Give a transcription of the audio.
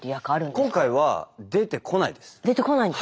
今回は出てこないです。